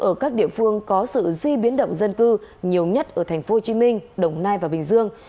ở các địa phương có sự di biến động dân cư nhiều nhất ở tp hcm đồng nai và bình dương